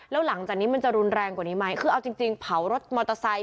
แล้วหลังจากนี้มันจะรุนแรงกว่านี้ไหมคือเอาจริงเผารถมอเตอร์ไซค